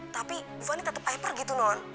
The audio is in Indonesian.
tapi bu fani tetep hyper gitu non